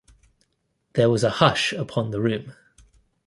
There was a hush upon the room.